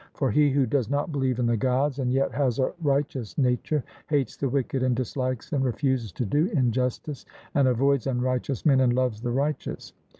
For he who does not believe in the Gods, and yet has a righteous nature, hates the wicked and dislikes and refuses to do injustice, and avoids unrighteous men, and loves the righteous.